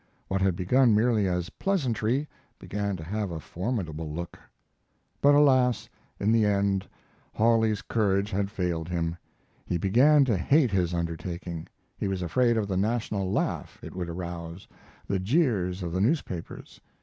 What had begun merely as pleasantry began to have a formidable look. But alas! in the end Hawley's courage had failed him. He began to hate his undertaking. He was afraid of the national laugh it would arouse, the jeers of the newspapers.